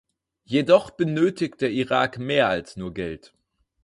Jedoch benötigt der Irak mehr als nur Geld.